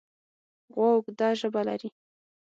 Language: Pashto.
غوا اوږده ژبه لري.